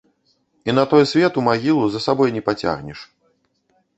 І на той свет у магілу за сабой не пацягнеш.